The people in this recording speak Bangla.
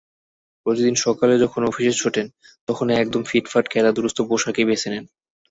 প্রতিদিন সকালে যখন অফিসে ছোটেন, তখন একদম ফিটফাট কেতাদুরস্ত পোশাকই বেছে নেন।